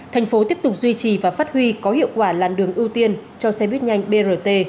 thành phố tiếp tục duy trì và phát huy có hiệu quả làn đường ưu tiên cho xe buýt nhanh brt